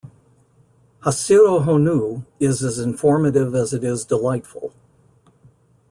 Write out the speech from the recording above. "Hasiru honnu" is as informative as it is delightful.